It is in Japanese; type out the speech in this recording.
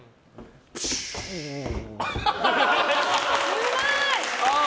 うまい！